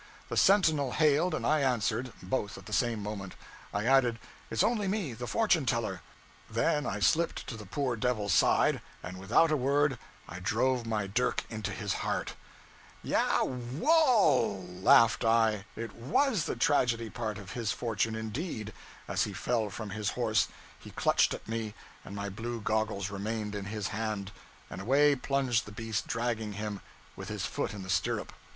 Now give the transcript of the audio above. The sentinel hailed and I answered, both at the same moment. I added, 'It's only me the fortune teller.' Then I slipped to the poor devil's side, and without a word I drove my dirk into his heart! Ya wohl, laughed I, it _was _the tragedy part of his fortune, indeed! As he fell from his horse, he clutched at me, and my blue goggles remained in his hand; and away plunged the beast dragging him, with his foot in the stirrup.